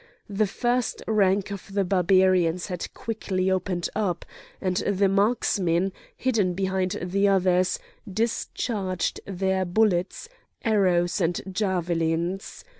The first rank of the Barbarians had quickly opened up, and the marksmen, hidden behind the others, discharged their bullets, arrows, and javelins.